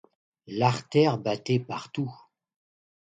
L'artère battait partout.